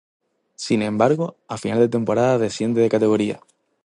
Sin embargo, a final de temporada desciende de categoría.